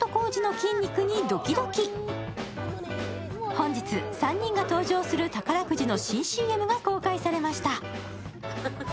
本日、３人が登場する宝くじの新ＣＭが公開されました。